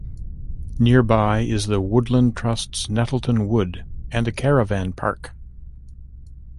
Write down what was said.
Nearby is the Woodland Trust's Nettleton Wood, and a caravan park.